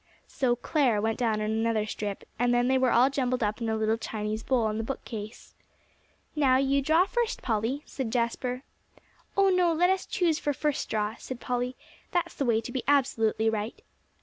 So "Clare" went down on another strip, and then they were all jumbled up in a little Chinese bowl on the bookcase. "Now, you draw first, Polly," said Jasper. "Oh, no, let us choose for first draw," said Polly; "that's the way to be absolutely right."